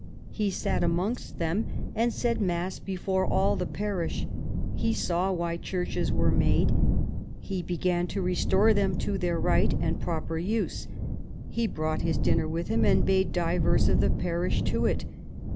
He sat amongst them and said mass before all the parish; he saw why churches were made; he began to restore them to their right and proper use ; he brought his dinner with him, and bade divers of the parish to it.